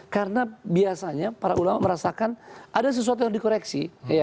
karena biasanya para ulama merasakan ada sesuatu yang harus dikoreksi